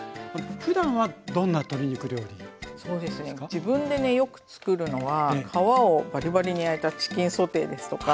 自分でねよく作るのは皮をバリバリに焼いたチキンソテーですとか。